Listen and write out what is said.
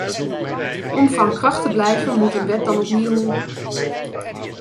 Om van kracht te blijven moet een wet dan opnieuw...